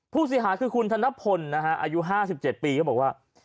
ผู้ศิษยาคือคุณธนพลนะฮะอายุห้าสิบเจ็ดปีก็บอกว่า